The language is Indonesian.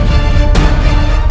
aku tidak pernah mengenalmu